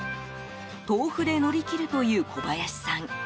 豆腐で乗り切るという小林さん。